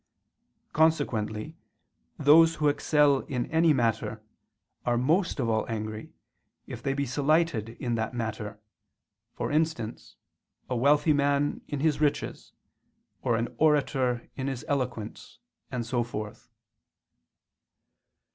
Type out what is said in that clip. Consequently those who excel in any matter, are most of all angry, if they be slighted in that matter; for instance, a wealthy man in his riches, or an orator in his eloquence, and so forth.